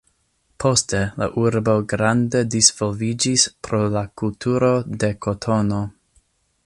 Poste, la urbo grande disvolviĝis pro la kulturo de kotono.